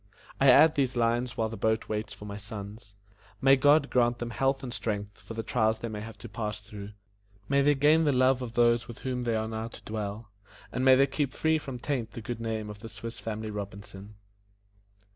I add these lines while the boat waits for my sons. May God grant them health and strength for the trials they may have to pass through; may they gain the love of those with whom they are now to dwell; and may they keep free from taint the good name of the Swiss Family Robinson.